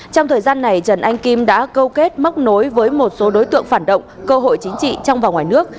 trong thời gian này trần anh kim đã câu kết móc nối với một số đối tượng phản động cơ hội chính trị trong và ngoài nước